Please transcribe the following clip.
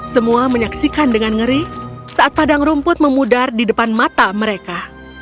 semua menyaksikan dengan ngeri saat padang rumput memudar di depan mata mereka